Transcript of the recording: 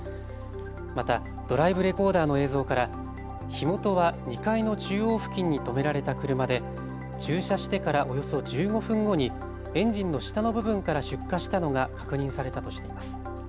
またドライブレコーダーの映像から火元は２階の中央付近に止められた車で駐車してからおよそ１５分後にエンジンの下の部分から出火したのが確認されたとしています。